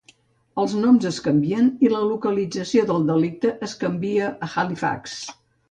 Els noms es canvien i la localització del delicte es canvia a Halifax.